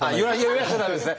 揺らしちゃ駄目ですね。